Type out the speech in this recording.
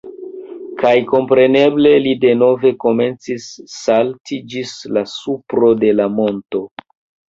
Kaj kompreneble, li denove komencis salti ĝis la supro de la monto.